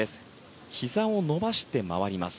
ひざを伸ばして回ります。